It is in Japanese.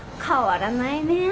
変わらないね